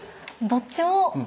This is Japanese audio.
どっちも。